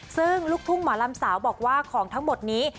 ซึ่งลูกทุ่งหมอลำสาวบอกว่าของทั้งหมดนี้